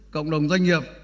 cộng đồng doanh nghiệp